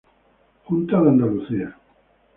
Junta de Andalucía.